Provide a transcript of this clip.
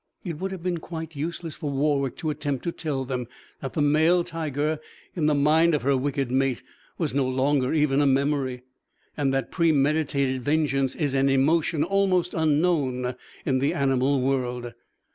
It would have been quite useless for Warwick to attempt to tell them that the male tiger, in the mind of her wicked mate, was no longer even a memory, and that premeditated vengeance is an emotion almost unknown in the animal world.